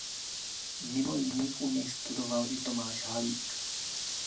Mimo jiných u něj studoval i Tomáš Halík.